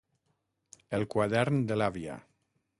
El quadern de l'àvia.